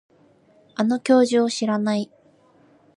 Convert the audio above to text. あの教授を知らない